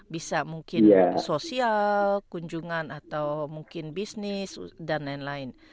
bisa mungkin sosial kunjungan atau mungkin bisnis dan lain lain